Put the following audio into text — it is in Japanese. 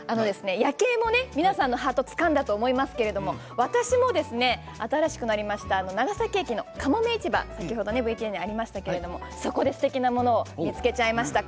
夜景も皆さんのハートをつかんだと思いますが私も新しくなった長崎駅のかもめ市場ＶＴＲにありましたが、そこですてきなもの見つけちゃいました。